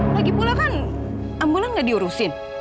lagipula kan ambulan gak diurusin